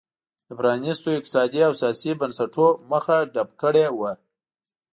د پرانیستو اقتصادي او سیاسي بنسټونو مخه ډپ کړې وه.